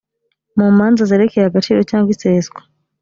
mu manza zerekeye agaciro cyangwa iseswa